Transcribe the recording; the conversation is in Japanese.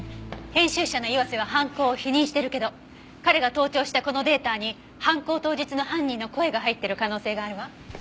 編集者の岩瀬は犯行を否認しているけど彼が盗聴したこのデータに犯行当日の犯人の声が入っている可能性があるわ。